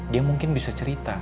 dia mungkin bisa cerita